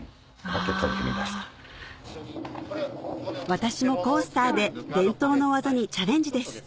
私もコースターで伝統の技にチャレンジです